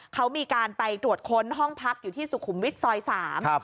เขามีการไปตรวจค้นห้องพักอยู่ที่สุขุมวิทย์ซอยสามครับ